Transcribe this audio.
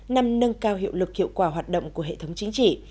năm nâng cao hiệu lực hiệu quả hoạt động của hệ thống chính trị